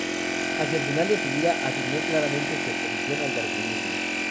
Hacia el final de su vida, afirmó claramente su oposición al darwinismo.